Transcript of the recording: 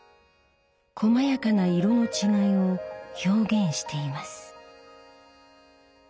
こまやかな色の違いを表現しています。